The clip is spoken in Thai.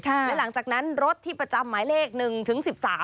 และหลังจากนั้นรถที่ประจำหมายเลข๑ถึง๑๓